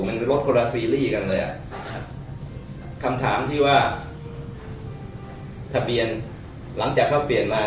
รถคนละซีรีส์กันเลยอ่ะคำถามที่ว่าทะเบียนหลังจากเขาเปลี่ยนมา